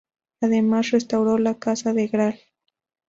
Además restauró la casa del Gral.